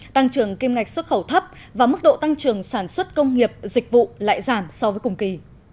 tăng trưởng kim ngạch xuất khẩu thấp và mức độ tăng trưởng sản xuất công nghiệp dịch vụ lại giảm so với cùng kỳ